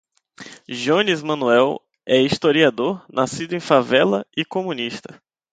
Jones Manoel é historiador, nascido em favela e comunista